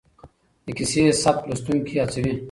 د کيسې سبک لوستونکي هڅوي.